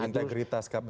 lembaga kpu integritas kpu